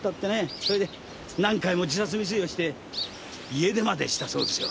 それで何回も自殺未遂をして家出までしたそうですよ。